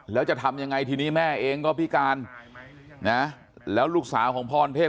แล้วจะทำยังไงทีนี้แม่เองก็พิการนะแล้วลูกสาวของพรเพศ